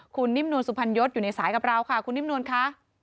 คุณนิ่มนวลสุพรรณยศอยู่ในสายกับเราค่ะคุณนิ่มนวลค่ะ